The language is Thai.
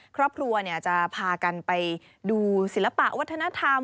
ครอบครัวจะพากันไปดูศิลปะวัฒนธรรม